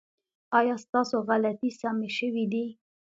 ایا ستاسو غلطۍ سمې شوې دي؟